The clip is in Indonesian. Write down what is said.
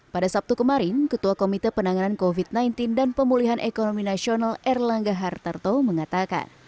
pada sabtu kemarin ketua komite penanganan covid sembilan belas dan pemulihan ekonomi nasional erlangga hartarto mengatakan